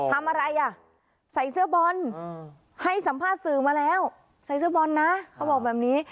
ทำอะไรอ่ะใส่เสื้อบอลให้สัมภาษณ์สื่อมาแล้วใส่เสื้อบอลนะเขาบอกแบบนี้